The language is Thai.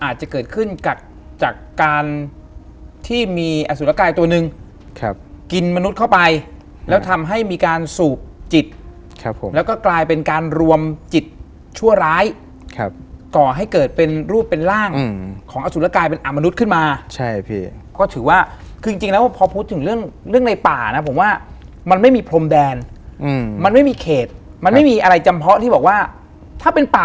อาจจะเกิดขึ้นจากจากการที่มีอสุรกายตัวหนึ่งครับกินมนุษย์เข้าไปแล้วทำให้มีการสูบจิตครับผมแล้วก็กลายเป็นการรวมจิตชั่วร้ายครับก่อให้เกิดเป็นรูปเป็นร่างของอสุรกายเป็นอามนุษย์ขึ้นมาใช่พี่ก็ถือว่าคือจริงแล้วพอพูดถึงเรื่องเรื่องในป่านะผมว่ามันไม่มีพรมแดนมันไม่มีเขตมันไม่มีอะไรจำเพาะที่บอกว่าถ้าเป็นป